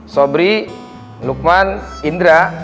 sobri lukman indra